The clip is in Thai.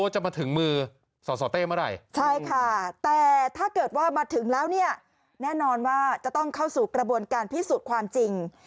ช่ายค่ะแต่ถ้าเกิดว่าถึงแล้วเนี่ยแน่นอนว่าเจ้าต้องเข้าสู่กระบวนการพิสูจน์ความจริง